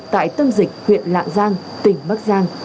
tại tâm dịch huyện lạng giang tỉnh bắc giang